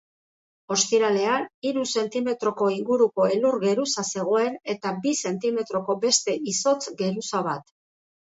Ostiralean, hiru zentimetroko inguruko elur-geruza zegoen eta bi zentimetroko beste izotz-geruza bat.